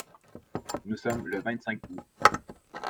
Nous sommes le vingt-cinq août.